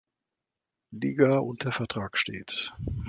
Liga, unter Vertrag steht.